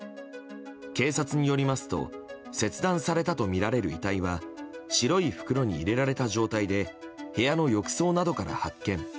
警察によりますと切断されたとみられる遺体は白い袋に入れられた状態で部屋の浴槽などから発見。